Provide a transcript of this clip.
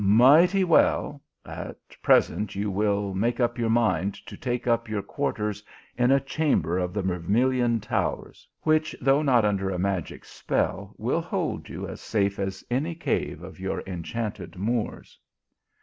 " Mighty well, at present you will make up your mind to take up your quarters in a chamber of the Vermilion towers, which, though not under a magic spell, will hold you as safe as any cave of your en chanted Moors."